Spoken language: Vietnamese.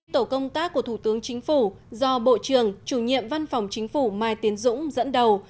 tổ công tác của thủ tướng chính phủ do bộ trưởng chủ nhiệm văn phòng chính phủ mai tiến dũng dẫn đầu